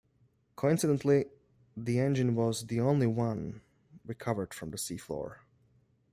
Coincidentally, the engine was the only one recovered from the sea floor.